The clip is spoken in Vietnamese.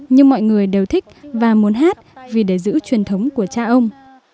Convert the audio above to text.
nhưng mọi người đều thích và muốn hát vì để giữ truyền thống của cha ông